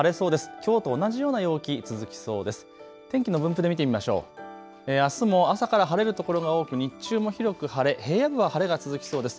きょうと同じような陽気、続きそうです。